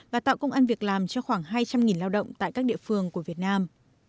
và tạo công an việc làm cho khoảng hai trăm linh lao động tại các địa phương của việt nam